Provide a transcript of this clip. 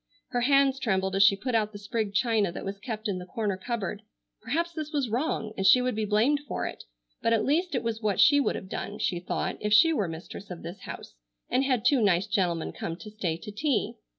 Her hands trembled as she put out the sprigged china that was kept in the corner cupboard. Perhaps this was wrong, and she would be blamed for it, but at least it was what she would have done, she thought, if she were mistress of this house and had two nice gentlemen come to stay to tea.